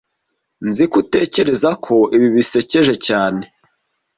Nzi ko utekereza ko ibi bisekeje cyane